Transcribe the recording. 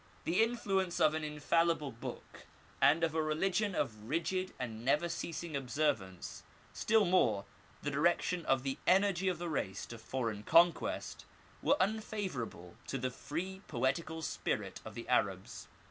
The influence of an infallible book, and of a re ligion of rigid and never ceasing observance; still more, the direction of the energy of the race to foreign conquest, were unfavourable to the free poetical spirit of the Arabs.